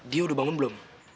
dia udah bangun belum